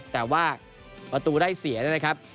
แต่ว่าประตูได้เสียนะครับ